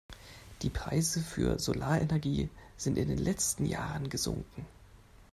Die Preise für Solarenergie sind in den letzten Jahren gesunken.